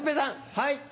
はい。